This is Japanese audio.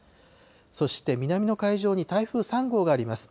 そして南の海上に台風３号があります。